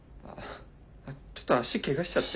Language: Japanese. ちょっと足ケガしちゃって。